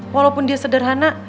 walaupun dia sederhana